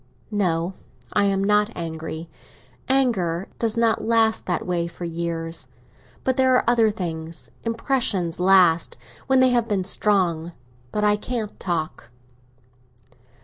"No, I am not angry. Anger does not last, that way, for years. But there are other things. Impressions last, when they have been strong. But I can't talk."